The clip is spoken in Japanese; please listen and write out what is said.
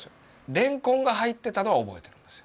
レンコンが入ってたのは覚えてるんですよ。